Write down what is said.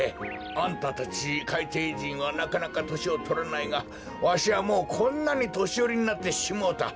あんたたちかいていじんはなかなかとしをとらないがわしはもうこんなにとしよりになってしもうた。